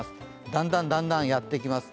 だんだん、だんだんやってきます。